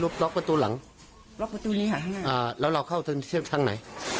ก็งัดเข้า